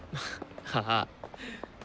ああ。